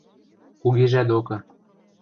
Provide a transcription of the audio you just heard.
– Кугижӓ докы.